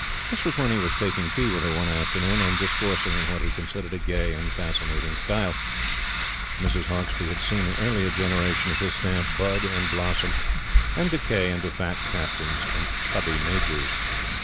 This was when he was taking tea with her one afternoon, and discoursing in what he considered a gay and fascinating style. Mrs. Hauksbee had seen an earlier generation of his stamp bud and blossom, and decay into fat Captains and tubby Majors.